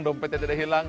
dompetnya tidak hilang